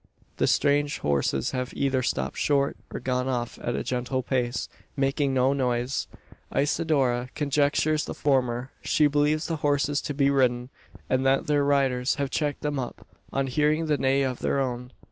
The strange horses have either stopped short, or gone off at a gentle pace, making no noise! Isidora conjectures the former. She believes the horses to be ridden; and that their riders have checked them up, on hearing the neigh of her own.